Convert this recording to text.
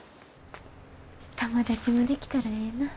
友達もできたらええなぁ。